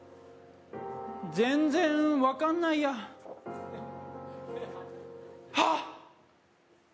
全然分かんないやはっ！